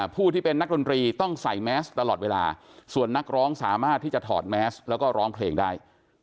ผู้ที่เป็นนักดนตรีต้องใส่แมสตลอดเวลาส่วนนักร้องสามารถที่จะถอดแมสแล้วก็ร้องเพลงได้